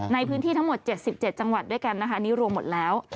ในพื้นที่ทั้งหมด๗๗จังหวัดด้วยกันนะคะอันนี้รวมหมดแล้ว